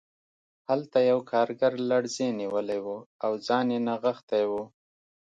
هلته یو کارګر لړزې نیولی و او ځان یې نغښتی و